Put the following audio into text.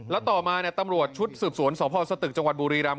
แล้วต่อมาตำรวจชุดสืบสวนสพสตึกจังหวัดบุรีรำ